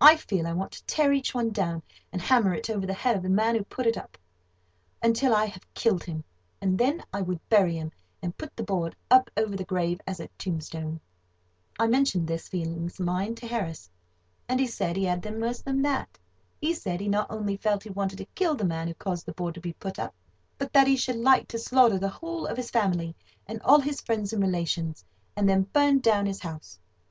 I feel I want to tear each one down, and hammer it over the head of the man who put it up, until I have killed him, and then I would bury him, and put the board up over the grave as a tombstone. I mentioned these feelings of mine to Harris, and he said he had them worse than that. He said he not only felt he wanted to kill the man who caused the board to be put up, but that he should like to slaughter the whole of his family and all his friends and relations, and then burn down his house.